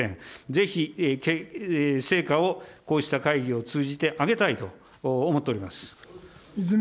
ぜひ成果を、こうした会議を通じて挙げたいと思っております。